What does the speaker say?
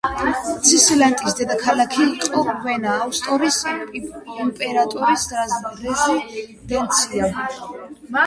ცისლეიტანიის დედაქალაქი იყო ვენა, ავსტრიის იმპერატორის რეზიდენცია.